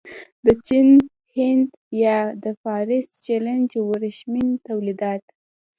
د چین، هند یا د فارس خلیج ورېښمین تولیدات.